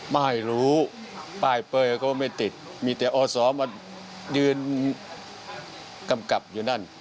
ไม่รู้ป้ายเป้ยก็ไม่ติดมีแต่อศมายืนกำกับอยู่นั่น